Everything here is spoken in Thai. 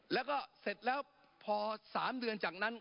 แล้วก็เสร็จแล้วพอ๓เดือนจากนั้น